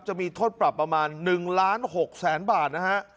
จะมีโทษปรับประมาณ๑ล้าน๖แสนบาทนะฮะ